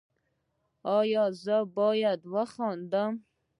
ایا زه باید خندم؟